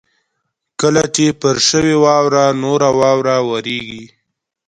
کله چې پر شوې واوره نوره واوره ورېږي